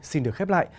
xin được khép lại